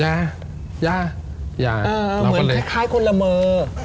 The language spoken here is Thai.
ยายายาเหมือนคล้ายคนละมือ